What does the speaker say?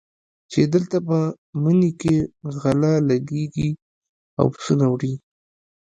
چې دلته په مني کې غله لګېږي او پسونه وړي.